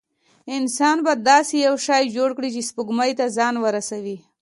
انسان به داسې یو شی جوړ کړي چې سپوږمۍ ته ځان ورسوي.